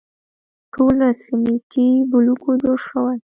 ټول له سیمټي بلوکو جوړ شوي.